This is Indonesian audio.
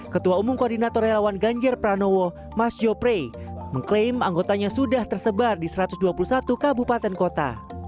ketua umum koordinator relawan ganjar pranowo mas joprey mengklaim anggotanya sudah tersebar di satu ratus dua puluh satu kabupaten kota